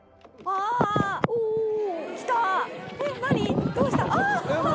どうした？